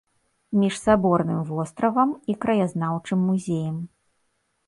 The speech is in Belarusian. Між саборным востравам і краязнаўчым музеем.